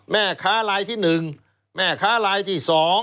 แม่ค้าลายที่๑แม่ค้าลายที่๒